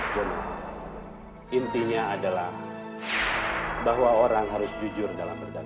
jono intinya adalah bahwa orang harus jujur dalam berdagang